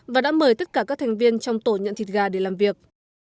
và đã mời tất cả các thành viên trong tổ nhận thịt gà để làm việc